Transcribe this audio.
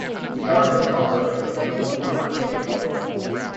The artist illustrated a beautiful portrait of an eagle.